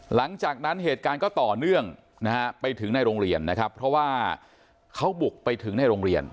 หลังจากนั้นเหตุการณ์ก็ต่อเนื่องนะฮะไปถึงในโรงเรียนนะครับเพราะว่าเขาบุกไปถึงในโรงเรียน